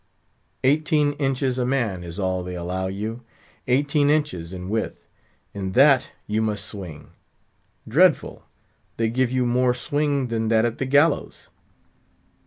Eighteen inches a man is all they allow you; eighteen inches in width; in that you must swing. Dreadful! they give you more swing than that at the gallows.